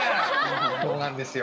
そうなんですよ。